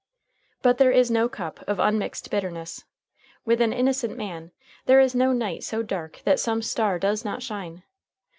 But there is no cup of unmixed bitterness. With an innocent man there is no night so dark that some star does not shine.